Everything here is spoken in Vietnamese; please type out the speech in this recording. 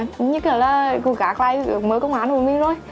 cũng như là gửi gác lại với công an của mình rồi